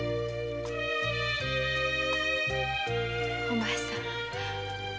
お前さん！